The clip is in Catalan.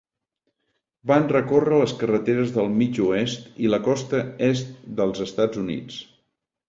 Van recórrer les carreteres del mig-oest i la costa est dels Estats Units.